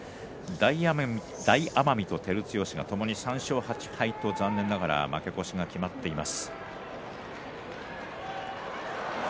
大奄美と照強が、ともに３勝８敗と残念ながら負け越しが決まっています。